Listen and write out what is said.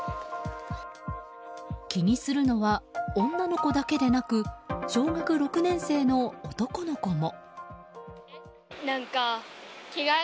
気にするのは女の子だけでなく小学６年生の男の子も。